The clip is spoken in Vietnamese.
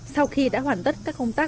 sau khi đã hoàn tất các công tác